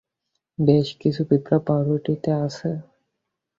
বেশ কিছু পিঁপড়া পাউরুটিতে আছে।